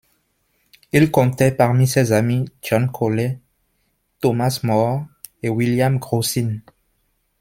Il comptait parmi ses amis John Colet, Thomas More et William Grocyn.